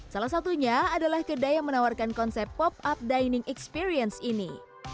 salah satunya adalah kedai yang menawarkan konsep pop up dining experience ini